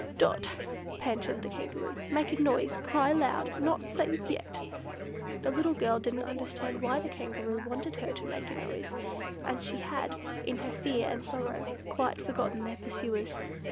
"Dot," panted the Kangaroo, "make a noise! Cry loud! Not safe yet!" The little girl didn't understand why the Kangaroo wanted her to make a noise, and she had, in her fear and sorrow, quite forgotten their pursuers.